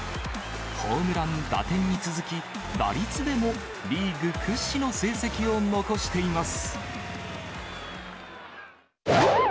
ホームラン、打点に続き、打率でも、リーグ屈指の成績を残しています。